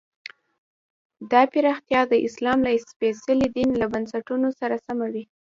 دا پراختیا د اسلام له سپېڅلي دین له بنسټونو سره سمه وي.